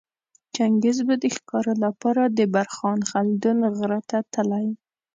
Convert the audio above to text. چنګیز به د ښکاره لپاره د برخان خلدون غره ته تلی